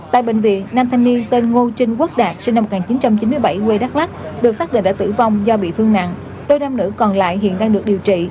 tại bệnh viện nam thanh niên tên ngô trinh quốc đạt sinh năm một nghìn chín trăm chín mươi bảy quê đắk lắc được xác định đã tử vong do bị thương nặng đôi nam nữ còn lại hiện đang được điều trị